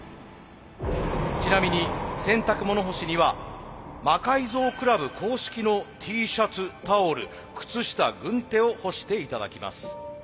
ちなみに洗濯物干しには魔改造倶楽部公式のＴシャツタオル靴下軍手を干していただきます。